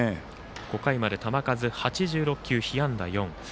５回まで球数８６球被安打４。